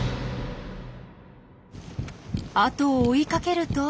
後を追いかけると。